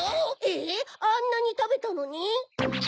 えっあんなにたべたのに？